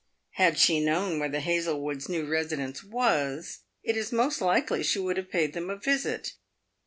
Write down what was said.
Had she known where the Hazlewoods' new residence was, it is most likely she would have paid them a visit.